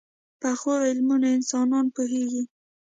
پخو علمونو انسانونه پوهيږي